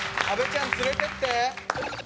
阿部ちゃん連れてって！